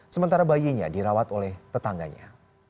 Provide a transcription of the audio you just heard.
sementara bayinya dirawat oleh tetangganya